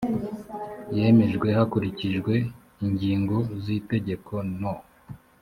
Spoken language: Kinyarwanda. yemejwe hakurikijwe ingingo z itegeko no